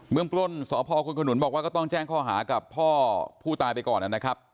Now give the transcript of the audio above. เมืองปล้นสพคุณขนุนบอกว่าก็ต้องแจ้งข้อหากับพ่อผู้ตายไปก่อนนะครับ